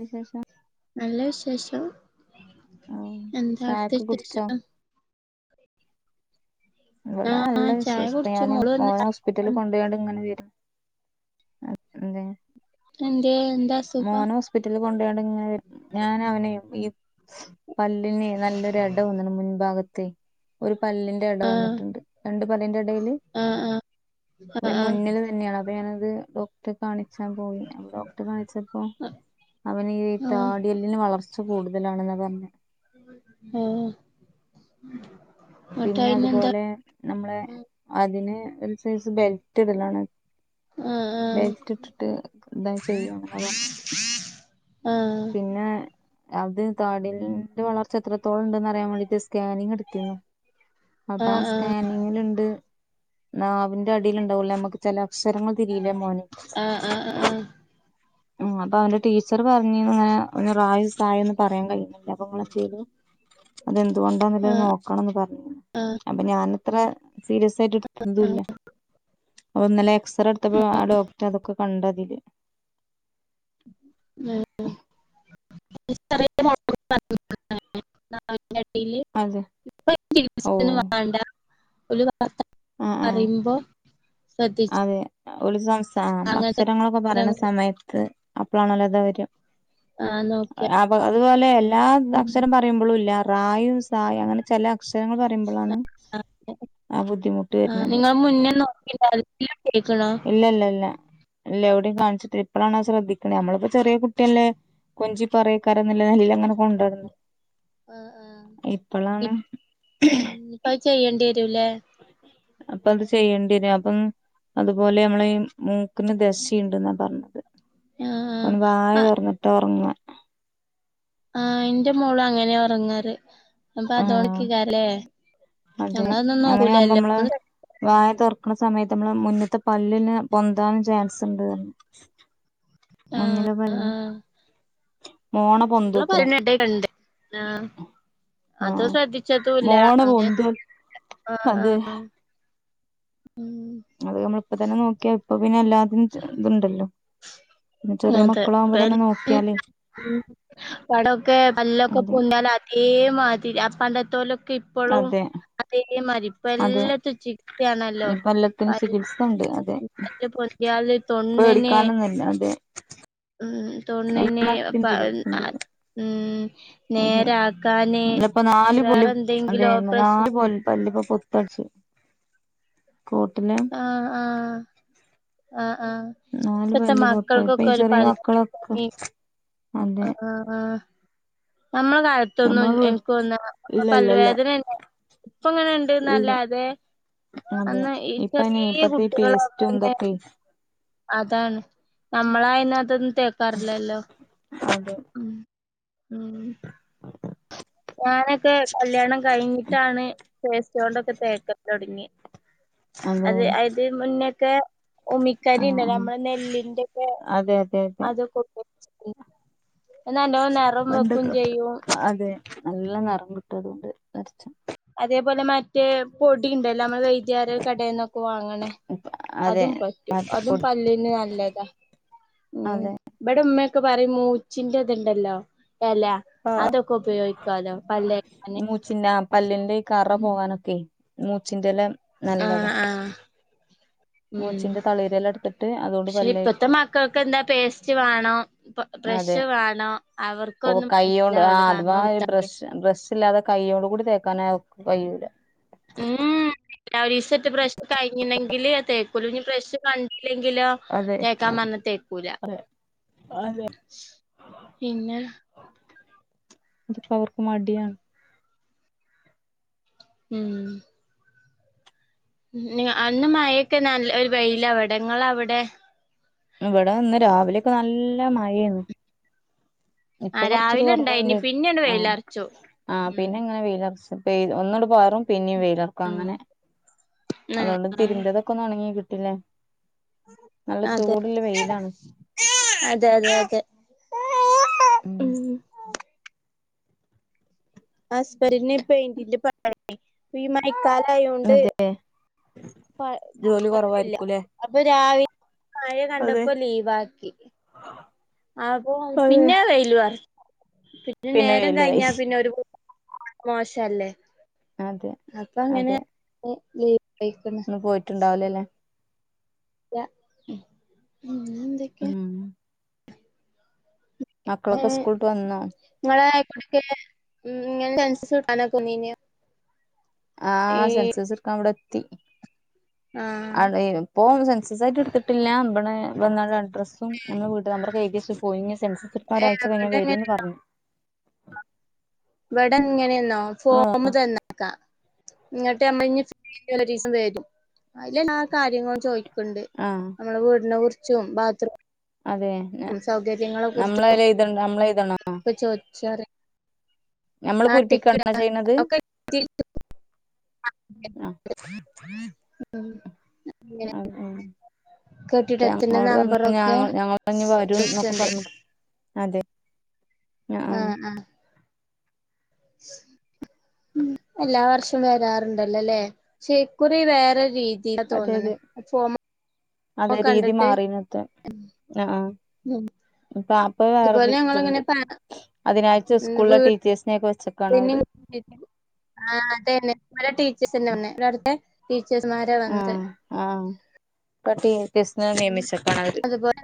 വിശേഷം നല്ല വിശേഷം ആഹ് എന്താ അവ്ട്ത്ത ചായൊക്കെ കുടിച്ചോ വിശേഷം ഇവ്ടെ ആഹ് നല്ല ചായ വിശേഷം ഇപ്പൊ കുടിച്ചു ഞാന് മോള് വന്ന് മോനെ ചായ ഹോസ്പിറ്റലിൽ കുടിപ്പുണ്ട്. കൊണ്ടെയാണ്ട് ഇങ്ങനെ വെര അ [unintelligible] ന്തേ എന്തേ എന്താസ് മോനെ ഹോസ്പിറ്റൽ കൊണ്ടയ്കാണ്ടിങ്ങന വര് ഞാൻ അവനെ ഇ പല്ലിന് നല്ലൊരു എട വന്ന്ണ് മുൻഭാഗത്തേ ഒരു പല്ലിന്റെ എട ആഹ് വന്ന്ട്ട്ണ്ട് രണ്ട് പല്ലിന്റെ എടയില് ആഹ് ആഹ് പ്പൊയി ആഹ് മുന്നിൽ തന്നെയാണ് അപ്പൊ ഞാനത് ഡോ ക് ടെ കാണിച്ചാൻ പോയി അപ്പോ ഡോക്ടെ കാണിച്ചപ്പോ അവന് ഈ ആഹ് ആഹ് താടിയെല്ലിന് വ വളർച്ച കൂടുതലാണ്ന്നാ പറഞ്ഞ് ഏഹ് പിന്നെ അതുപോലെ നമ്മളെ അതിന് ഒരു സൈസ് ബെൽറ്റ് ഇടലാണ് ആഹ് ആഹ് ബെൽറ്റ് ഇട്ടിട്ട് ന്താ ചെയ്യന്ന്ള്ളെ പർഞ്ഞു ആഹ് പിന്നെ അത് താടിയെല്ലിന്റെ വളർച്ച എത്രത്തോളം ഉണ്ടന്ന് അറിയാൻ വേണ്ടിട്ട് സ്കാനിങ് ഇട്ത്തിനു അപ്പാ ആഹ് ആ സ്കാനിങ്ങില്ണ്ട് നാവിന്റെ അടിയിൽണ്ടാവൂലേ അമ്മ്ക്ക് ചെല അക്ഷരങ്ങൾ തിരീല മോന് ആഹ് ആഹ് അഹ് ആഹ് ഉം അപ്പൊ അവന്റെ ടീച്ചർ പറഞ്ഞ് ങ്ങനെ ഓൻ റായും സായൊന്ന് പറയാൻ കഴിയുന്നില്ല അപ്പൊങ്ങളെന്തേലും അതെന്തുകൊണ്ടാെണന്നുള്ളത് നോക്കണംന്ന് പറഞ്ഞിനു അപ്പൊ ഞാന് അത്ര സീരിയസ് ആയിട്ട് ഇട്ത്തതുല്ല അപ്പൊ ഇന്നല്ലെ എക്സറട്ത്തപ്പോ ആ ഡോക് റ്റ് അതൊക്കെ കണ്ടതില് ഏഹ് [unintelligible] നാവിന്റെ അടീല് അതെ [unintelligible] പ്പൊ ഓ [unintelligible] വേണ്ട ഓല് ആ [unintelligible] [unintelligible] ആ പറീമ്പൊ അതെ ഓല് സം സ മ് അങ്ങനത്തെ അക്ഷരങ്ങളൊക്കെ പറയണ സമയത്ത് അപ്പളാണല്ലോത് വര ആഹ് നോക്കിയ അപ്പൊ അതുപോലെ എല്ലാ അക്ഷരം പ റീമ്പളുല്ല റായും സായും അങ്ങനെയ ചെല അക്ഷരങ്ങൾ പറയുമ്പോളാണ് ആ ബുദ്ധിമുട്ട് ആഹ് വരുന്നത് നിങ്ങള് മുന്നേ നോക്കിണ്ടായ് ഇന്നെ കേക്കണ ഇല്ല ഇല്ല ഇല്ല ഇല്ല എവിടിംയും കാണിച്ചിട്ട് ഇപ്പഴാണ് ശ്രദ്ധിക്കണേ നമ്മളിപ്പോ ചെറിയ കുട്ടിയല്ലേ കൊഞ്ചി പറയ കാരംന്നല്ല മെല്ലങ്ങനെ കൊണ്ടടന്ന് ആ ആ ഇപ്പളാണ് പ്പഅയ് ചെയ്യേണ്ടി വരൂല്ലേ അപ്പൊ അത് ചെയ്യേണ്ടിരും അപ്പം അതുപോലെ നമ്മള് മൂക്കിന് ദശയുണ്ട്ന്നാ പറഞ്ഞത് ആ ഓന് വായ ആ തൊറന്നിട്ടാറങ്ങ ആഹ് എന്റെ മോള് അങ്ങനെയ ഉറങ്ങാറ് അപ്പൊ ആഹ് അതോണ്ടയ്ക്കാരല്ലേ അതെ അങ്ങനെ ആവുമ്പോ അമ്മള് വായ തൊറക്കണ സമയത്ത് അമ്മളെ മുന്നത്തെ പല്ലിന് പൊന്താൻ ചാൻസ് ഉണ്ട് പറഞ്ഞ് ആ മുന്നിലെ പല്ലിന് മോണ ഇവിളെ പൊന്തൂത്രേ പല്ലിന് [unintelligible] ആ അത് ശ്രദ്ധിച്ചതുംല്ല അങ്ങനെ തെ ആ ആ അതെ ഉം അത് നമ്മളിപ്പ തന്നെ നോക്കിയാ ഇപ്പ പിന്നെ എല്ലാത്തിനും ഇതുണ്ടല്ലോ പിന്നെ ചെറിയ അതെ മക്കളാകുമ്പോ തന്നെ ഇപ്പ നോക്കിയാലേ പടൊക്കെ പല്ലൊക്കെ അതെ പൊന്തിയാല് അതേ മാതിരി ആ പണ്ടത്തോലൊക്കെ ഇ അതെ അതെ എല്ലാത്തും ചികിത്സയാണല്ലോ ഇപ്പ എല്ലാത്തിനും പല്ല് ചികിത്സ ഉണ്ട് അതെ തൊണ്ണിനെ പെടിക്കാനൊന്നല്ല അതെ ഉം തൊണന്നെ എല്ലാത്തിനും ചികിത്സ ഉണ്ട് ഉം അതെ നേരാക്കാന് ഇപ്പൊ ഇനി നാല് പല്ല് വേറെ എന്തെങ്കിലും ഓ പ്രശം ത്തടു കൂട്ടില ആഹ് ആഹ് ആഹ് ആഹ് [unintelligible] നാല് ഇപ്പത്തെ പല്ല് പൊത്ത ഇപ്പൊ മക്കൾക്കൊക്കെ ഈ ഒരു ചെറിയ പല്ല് മക്കളൊക്കെ അതെ ആഹ് നമ്മൾ തൊന്നും നമ്മള് എനിക്ക് തോന്ന ഇല്ല ഇല്ല ഇല്ല പല്ലുവേദനന്ന ഇപ്പ ഇങ്ങനെുണ്ട്ന്നല്ല ഇല്ല അതെ അതെ എന്നാ ഈ ഇപ്പനെ ചെറിയ ഇപ്പത്തെ ഈ കുട്ടികള പേസ്റ്റും അനെ ഇതൊക്കെ അതാണ് നമ്മളായാലും അതൊന്നും തേക്കാറില്ലല്ലോ അതെ ഉം ഉം ഞാനൊക്കെ കല്യാണം കഴിഞ്ഞിട്ടാണ് പേസ്റ്റോണ്ടൊക്കെ തേക്കൻ തുടങ്ങി ആ [unintelligible] അത് അതിന് മുന്നൊക്കെ ഉമിക്കരി ആഹ് ഉണ്ട് ആഹ് നമ്മെ നെല്ലിന്റെക്കെ അതെ അതെ അതെ [unintelligible] എന്നല്ലോ നിറം വെക്കും പണ്ടൊക്കെ ചെയ്യും അതെ നല്ല നിറം കിട്ട് അതുകൊണ്ട് വരച്ച അതേപോലെ മറ്റേ പൊടി ഉണ്ടല്ലോ നമ്മള് വൈദ്യര കടയിൽന്നൊക്കെ വാങ്ങണേ അതെ അതും പറ്റൂ അതും പൊടി പല്ലിന് നല്ലതാ ഉം അതെ ഇവിടെ ഉമ്മയൊക്കെ പറയും മൂച്ചിന്റെ ഇതുണ്ടല്ലോ എല അതൊക്കെ ഉപയോഗിക്കാലോ പല്ലേക്കാന് മൂച്ചിന്റെ പല്ലിന്റെ ഈ കറ പോകാനൊക്കെ മൂച്ചിന്റെല്ല നല്ലതാ ആഹ് ആഹ് ഉം മൂച്ചിന്റെ തളിരെല എടുത്തിട്ട് അതുകൊണ്ട് പക്ഷെ ഇപ്പത്തെ പല്ലേക്കും മക്കൾക്ക് എന്താ പേസ്റ്റ് വേണം ഇ അതെ ബ്രഷ് വാണം ഓ അവർക്കൊന്നും കൈയ്യോണ്ട് ആ മനസ്സിലാവല്ല പറഞ്ഞ അഥവാ കൊടുക്ക ബ്രഷ് ബ്രഷില്ലാതെ കയോണ്ട് കൂടി തേക്കാനവര്ക് കഴൂല രാവ ഒരീസെറ്റ് ബ്രഷ് കഴിഞ്ഞണെങ്കില് തേക്കുല ഞ് ബ്രഷ് കണ്ടില്ലെങ്കിലോ അതെ തേക്കാൻ പറഞ്ഞ തേക്കൂല പിന്നെ ജിപ്പോ അവർക് മടിയാണ് ഉം അന്ന് മഴൊക്കെ നല്ല ഒരു വെയില വടേ ഇങ്ങള അവിടെ ഇവിടെ ഇന്ന് രാവിലെക്കെ നല്ല മഴയേണ് ആ ഇപ്പൊ കൊർചൊരു രാവിലെ ഇണ്ടായിനി കുറവുണ്ട് പിന്നെണ്ട് ആഹ് വെയിലറച്ചു ആ ഉം പിന്നെങ്ങനെ വെയിലറച്ചും ഒന്നുങ്ങട്ട് പാറും പിന്നിം വെയിലറക്കും. അങ്ങനെ ആ അതുകൊണ്ട് തിരുമ്പ്യതെ ക്കൊന്ന് ഉണങ്ങി കിട്ടില്ലേ നല്ല അതെ ചൂട്ല് വെയിലാണ് അതെ അതെ അതെ ഉം അസ്ബന്റിന് പെയിന്റിന്റെ പണി ഈ മയക്കാലായൊണ്ട് അതെ പ ജോലി പണില്ല കൊറവായിരിക്കൂല്ലേ അപ്പൊ രാവിലെ മഴ അതെ കണ്ടപ്പോ ലീവാക്കി അപ്പൊ അതെ പിന്നെ വെയിലു അറ പിന്നെ നേരം വെയിലു ആയി കഴിഞ്ഞാ പിന്നെ ഒരു മോശല്ലേ അതെ അപ്പൊ അങ്ങനെ ഹേ ലേ വ [unintelligible] പോയിട്ടുണ്ടാവൂല ലേ ല്ല ഉം പിന്നെന്തൊക്കെ ഉം മക്കളൊക്കെ സ്കൂള്ട്ട് വന്നോ? നിങ്ങളെക്ക ഉം ഉം നിങ്ങൾടെ സെൻസസ്ട്കാനൊക്കേ വന്നീന് യോ ആ സെൻസസ് ട്ക്കാൻ വടെ എത്തി ആഹ് ആടെ ഇപ്പോൾ സെൻസസ് ആയിട്ട് ഇട്ത്തിട്ടില്ല വടേ വന്നാണ്ട് അഡ്രസ്സും ഞങ്ങടെ വീട്ട് നമ്പറൊക്കെ എയ്തി വെച്ച് പോയി ഇഞ് സെൻസസ്‌ ചെൽപ്പം ഒരാഴ്ച ഏഹ് കഴിഞ്ഞാൽ ഇവിടെങ്ങനെ വരുംന്ന് പറഞ്ഞു ഇവിടെ എങ്ങനെന്നോ? ഫോമ് തന്ന ക ഇങ്ങട്ട് അമ്മള്ഞ്ഞി [unintelligible] ഊലോരീസം വരും അയ്ല് എല്ലാ കാര്യങ്ങളും ചോയിക്ക്ണ്ട് ആഹ് നമ്മളെ വീടിനെകുറിച്ചും ബാത്റൂം അതെ നമ്മളെയ്ല് എയ്ത നമ്മളെഴ്തണോ പ്പ ചോത്‌ച്ചാറിയ ഞമ്മള് പൂരിപ്പിക്കാണോ ചെയ്ണത് ഒക്കെ ആഹ് ഉം ആഹ് ഉം അ കെട്ടിടത്തിന്റെ ഞങ്ങളോട് പറഞ്ഞ ഞ നമ്പറൊക്കെ ഞങ്ങൾ ഞ് വരും ന്നൊക്കെ ചോയ്ക്ക്ണ്ട് പർഞ്ഞ് അതെ ഞ ആഹ് ആഹ് ഉം എല്ലാ വർഷവും വരാറുണ്ടല്ലോ ല്ലേ ശേ ഇക്കുറി വേറെ രീതി തീ ആ അതെ തോന്ന്ണ് അതെ ആ ച്ചുമ ഫോം കണ്ടിട്ട് ഉം ആഹ്ആഹ് പാ ഇപ്പ വേറെ ഇതുപോലെ ഇത്‌ണ്ട് ഞങ്ങളിങ്ങനെ പ അതിനാഴ്ട്ട് സ്കൂളിലെ ടീച്ചേഴ്സിനെ ഒക്കെ വെച്ചക്കാണ് അവര് ആ അതെന്നെ ഇവടെ ടീച്ചേഴ്സെന്നെ വന്നേ ഇവടത്തെ ടീച്ചേസ്മാരാ വന്നേ ആഹ് ആഹ് പ്പം ടീച്ചേഴ്‌സ്‌നെ നിയമിച്ചക്കാണവര് അതുപോലെ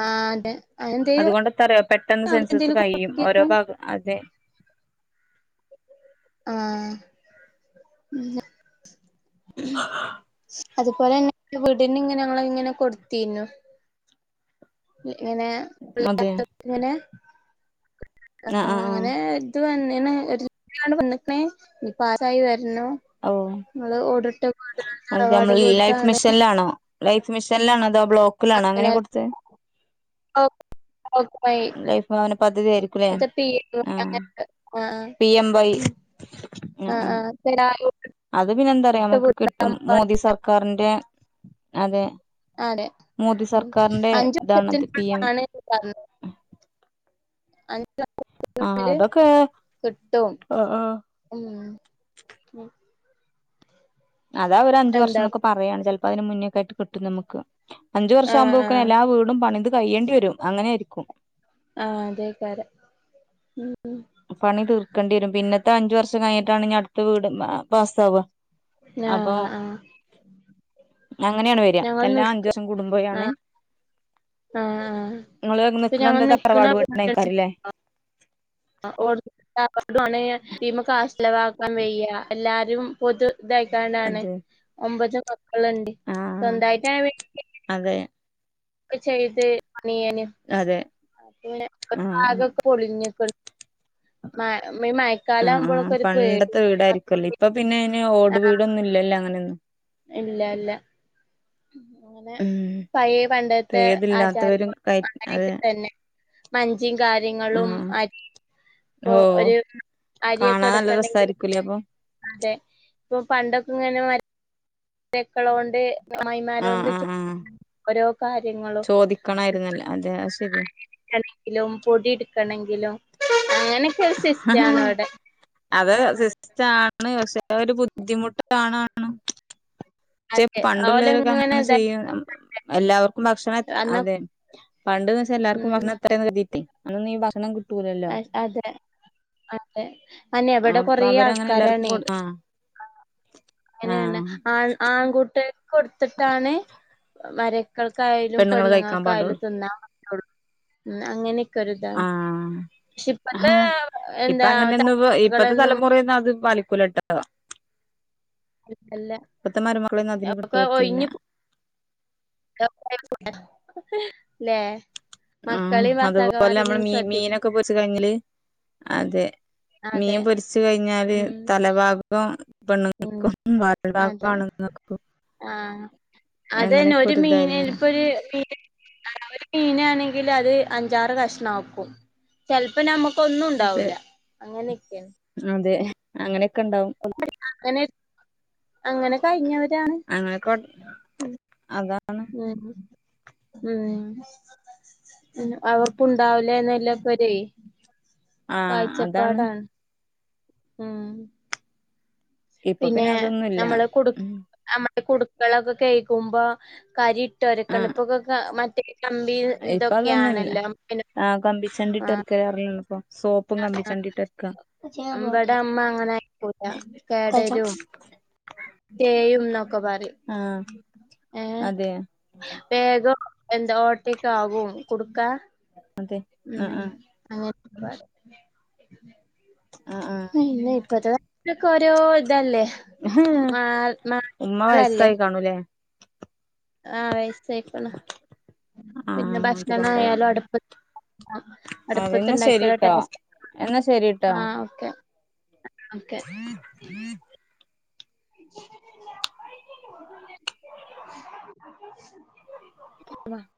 ആ അതെ എന്തേലും അതുകൊണ്ട് എത്താ അറിയോ പെട്ടെന്ന് അവർക്ക് സെൻസസ് എന്തേലും കഴിയും ഓരോ കൊടുത്തേക്കും ഭാഗം അതെ ആഹ് ഉം ഹും അതുപോലെന്നെ വീടിന് ഇങ്ങനെ അമ്മള് ഇങ്ങനെ കൊട്ത്തീനു ഇങ്ങനെ അതെ [unintelligible] ങ്ങനെ ആ ആഹ് ആഹ് അങ്ങനെ ആഹ് ഇത് വന്നിന് ഒരുതു ല്യാണ്ട് വന്ന്ക്ക് ണ് ഇപ്പോ ആരായി വര്നോ ഓ അതെ തറവാട് നമ്മള് ലൈഫ് വീടാണ് മിഷൻലാണോ ലൈഫ് മിഷൻലാണോ അതോ ബ്ലോക്ക്ലാണോ അങ്ങനെ കൊടുത്തെ ഓ ലൈഫ് ഭവന പദ്ധതി ആയിരിക്കുംല്ലേ ആഹ് പി എം വൈ ആഹ് ആഹ് നാ [unintelligible] അത് പിന്നെ എന്താ പറയാ നമക്ക് കിട്ടും മോദി സർക്കാരിന്റെ അതെ അതെ മോദി സർക്കാരിന്റെ ഇതാണത് പി എം തന്നെ അഞ്ച് [unintelligible] ത്തിന്റെ ആഹ് ഉള്ളിൽ അതൊക്കെ കിട്ടും ആഹ് ആഹ് ഉം അതാ അവര് അഞ്ച് വർഷം എന്താ ന്നൊക്കെ പറയാണ് ചെൽപ്പോ അയിന് മുന്നേക്കായിട്ട് കിട്ടും നമ്മക്ക് അഞ്ചു വർഷ ആഹ് ആകുമ്പോക്ക്ന് ആഹ് എല്ലാ വീടും പണിത് കയ്യേണ്ടി വരും അങ്ങനെരിക്കും ആഹ് അതേക്കാരം ഉം ഉം പണി തീർക്കേണ്ടി വരും പിന്നത്തെ അഞ്ച് വർഷം കഴിഞ്ഞിട്ടാണ് അടുത്ത വീട് പാസ്സാവാ ആഹ് ആഹ് അങ്ങനെയാണ് വരാ ഞങ്ങൾ എല്ലാം അഞ്ചു നിക്ക് വർഷം കൂടുംബോയാണ് ആഹ് ആഹ് ആഹ് നിങ്ങള് ഇപ്പൊ നിക്കണെ ഞങ്ങൾ എന്താ നിക്ക്ണ തറവാട് വീട്ടിൽയേക്കാരല്ലേ [unintelligible] ക്യാഷെലവാക്കാൻ വയ്യ എല്ലാരും പൊ ഇതായിക്കാണ്ടാണ് അതെ ഒമ്പത് മക്കൾണ്ട് ആഹ് സ്വന്തായിട്ട അതെ ചെയ്ത് പണിയന് അതെ പിന്നെ ആഹ് അക്കൊക്കെ പൊളിഞ്ഞ്ക്ക് മ മയക്കാലം ആവുമ്പോഴൊക്കെ ഒരു പേടി വീടരിക്കല്ലോ ഇപ്പൊ പിന്നെ അയ്ന് ഓട് ആഹ് വീട് ഒന്നുല്ലല്ലോ അങ്ങനൊന്നും ഇല്ല ഇല്ല അങ്ങനെ ഉം പഴയ ഇപ്പൊ പണ്ടത്തെ ആചാര ഏതില്ലാത്തവരും കയ അതെ അങ്ങനെയൊക്കെ തന്നെ വഞ്ചി കാര്യങ്ങളും ആഹ് അരി ഇപ്പൊ ഓഹ് ഒരു കാണാൻ നല്ല അരിയൊക്കെട്ക്കണെങ്കി രസായിരിക്കൂലേ അപ്പൊ അതെ പ്പൊ പണ്ടൊക്കെങ്ങനെ തെക്കളോണ്ട് ആഹ് മായിമാരോണ്ട് ആഹ് ആഹ് ഓരോ കാര്യങ്ങളും ചോദിക്കണായിരുന്നല്ലോ അതെ അത് ശരിയാ കണങ്കിലും പൊടി എടുക്കണെങ്കിലും അങ്ങനെയൊക്കെ ഒരു സിസ്റ്റാണ് ഇവിടെ അത് സിസ്റ്റം ആണ് പക്ഷെ ഒരു ബുദ്ധിമുട്ട് കാണാണ് അതെ പണ്ടുള്ളവരൊക്കെ ഓലങ്ങനെ അങ്ങനെ ഇതാക്കി ചെയ്യും എല്ലാവർക്കും ഭക്ഷണം എ അന്ന അതെ പണ്ടന്ന് വച്ച എല്ലാർക്കും ഉം ഭക്ഷണം എത്രയന്ന് കരുതിയിട്ടെ അന്ന് ഈ ഭക്ഷണം കി അ അതെ അതെ അന്നെ ഇവിടെ കൊറ അപ്പൊ അവരങ്ങനെ ആൾക്കാരാണ എല്ലാർക്കും കൊടു ആ ആ അങ്ങനെയാണ് ആൺ ആൺകുട്ടി കൊടുത്തിട്ടാണ് മരക്കൾക്കായാലും പെണ്ണുങ്ങള് കഴിക്കാൻ പെണ്ണുങ്ങൾക്കായാലും പാടുള്ളൂ തിന്നാ റ്റൊള്ളു അങ്ങനെ ആഹ് ആഹ് ഇപ്പ എന്താ അങ്ങനെന്നുപ്പത്തെ തലമുറകളൊന്നും തലമുറന്നും അത് പാലിക്കൂലട്ടോ അല്ല ഇപ്പത്തെ മരുമകളൊന്നും അതിന് കിട്ടത്തില്ല [unintelligible] ലേ ആഹ് അതുപോലെ നമ്മള് മീ ശ്രദ്ധിക്ക മീനൊക്കെ പോരിച്ച് കയിഞ്ഞല് അതെ മീൻ അതെ പൊരിച്ചു കഴിഞ്ഞാല് ഉം തല ഭാ കം ഉം പെണ്ണ്ങ്ങക്കും വാൽ ഭാഗം അതെ ആണ്ങ്ങക്കും ആഹ് അതന്നെ ഒരു മീൻ ൽപ്പരു മീൻ ഒര് മീനാണെങ്കിൽ അത് അഞ്ചാറ് കഷണാക്കും ചിലപ്പോം നമ്മുക്ക് ഒന്നും അതെ ഉണ്ടാവൂല്ല അങ്ങനെയൊക്കെയ അതെ അങ്ങനെക്കെണ്ടാവും [unintelligible] അങ്ങനെ അങ്ങനെ കഴിഞ്ഞവരാണ് അങ്ങനെയൊക്കെ അതാണ് ഉം അവക്കുണ്ടാവുലേന്നല്ലക്കൊരയ് ആഹ് അതാണ് കാഴ്ചപ്പാടാണ് ആ ഇപ്പൊ പിന്നെ അതൊന്നുല്ല നമ്മള് കുടു ഉം അമ കുടുക്കളൊക്കെ കഴിക്കുമ്പോ കരിട്ട് വരക്കണ ആഹ് ഇപ്പൊക്കെ മറ്റേ ഇപ്പൊ അതൊന്നുല്ല കമ്പിതൊക്കെയാണല്ലോ ആഹ് കമ്പിച്ചണ്ടി ആ ഇട്ടൊരുക്കല് അറിയുള്ളൂ ഇപ്പൊ സോപ്പും കമ്പിച്ചണ്ടി ഇട്ടൊരുക്കാ മ്പടെ അമ്മ അങ്ങനെയികൂല ടരും തേയും ന്നൊക്കെ പറയും ആഹ് ഏ അതെ വേഗം എന്ത ഓട്ടെക്കാകും കുടുക്കാ ഉം ആഹ് അങ്ങനെ പറിം ആഹ് ആഹ് പിന്നെ ഇപ്പത്തെ നാക്കെ ഓരോ ഇതല്ലേ മാ മാർഗങ്ങളല്ലേ കാണുല്ലേ ആ വയസ്സായിക്ക്ണ് ആഹ് പിന്നെ അതുകൊണ്ടാ ഭക്ഷണായാലും അടുപ്പ അതെന്നാ അടുപ്പത്തണ്ടാക്കിയല ശരിട്ടോ ടേസ്റ്റ് എന്നാ ശരിട്ടോ ആഹ് ഓക്കെ ഓക്കെ [unintelligible]